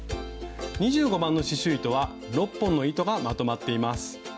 ２５番の刺しゅう糸は６本の糸がまとまっています。